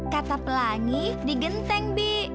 kata pelangi di genteng bi